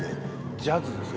ジャズですか？